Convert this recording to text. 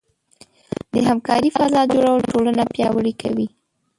د همکارۍ فضاء جوړول ټولنه پیاوړې کوي.